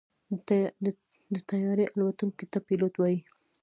د طیارې الوتونکي ته پيلوټ وایي.